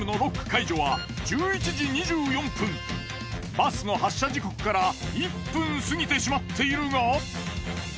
バスの発車時刻から１分過ぎてしまっているが。